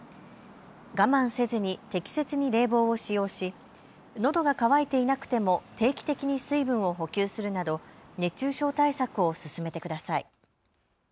我慢せずに適切に冷房を使用しのどが渇いていなくても定期的に水分を補給するなど熱中症対策を進めてください。